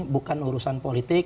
bukan urusan politik